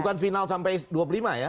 bukan final sampai dua puluh lima ya